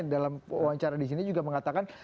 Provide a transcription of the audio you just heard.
dalam wawancara disini juga mengatakan